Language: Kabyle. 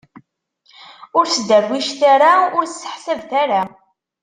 Ur sderwicet ara, ur sseḥsabet ara.